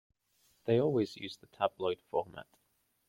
They always used the tabloid format.